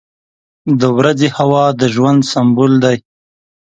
• د ورځې هوا د ژوند سمبول دی.